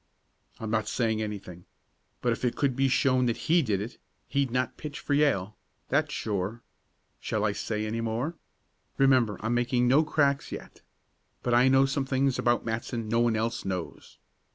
"I'm not saying anything. But if it could be shown that he did it, he'd not pitch for Yale that's sure. Shall I say any more? Remember I'm making no cracks yet. But I know some things about Matson no one else knows."